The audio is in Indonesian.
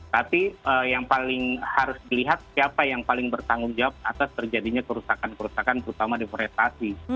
tapi yang paling harus dilihat siapa yang paling bertanggung jawab atas terjadinya kerusakan kerusakan terutama deforestasi